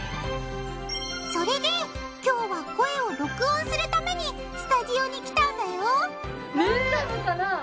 それで今日は声を録音するためにスタジオに来たんだよ大丈夫かな？